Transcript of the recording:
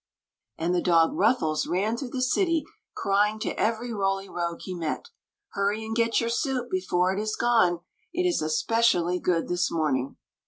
And the dog Ruffles ran through the city, crying to every Roly Rogue he met: " Hurry and get your soup before it is gone. It is especially good this morning!"